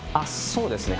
そうですね